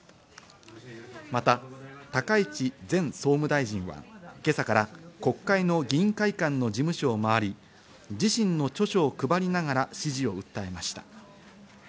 また高市前総務大臣は今朝から国会の議員会館の事務所を回り自身の著書を配りながら支持を訴えました。